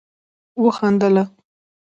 وخندله